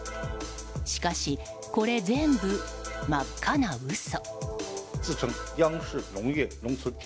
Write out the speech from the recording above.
しかしこれ全部、真っ赤な嘘。